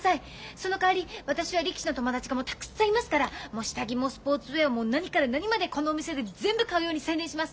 そのかわり私は力士の友達がたくさんいますから下着もスポーツウエアも何から何までこのお店で全部買うように宣伝します。